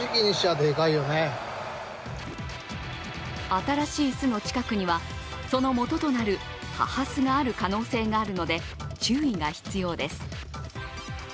新しい巣の近くには、その元となる母巣がある可能性があるので、注意が必要です。